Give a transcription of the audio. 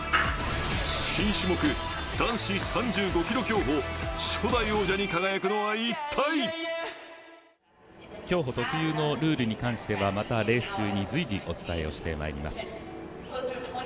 新種目・男子３５ｋｍ競歩初代王者に輝くのは一体競歩特有のルールについては、またレース中に随時お伝えをしてまいります。